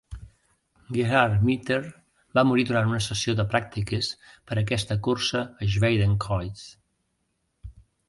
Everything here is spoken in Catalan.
Gerhard Mitter va morir durant una sessió de pràctiques per a aquesta cursa a Schwedenkreuz.